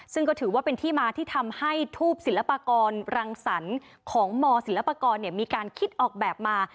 ซึ่งก็ถือว่าเป็นที่มาที่ทำให้ทูปศิลปากรรังสรรค์ของมศิลปากรมีการคิดออกแบบมา